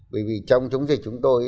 bởi vì trong chống dịch chúng tôi